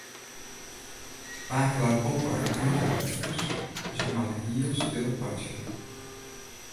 Pake leit boppe en knipperet efkes, dus ik moat hiel stil boartsje.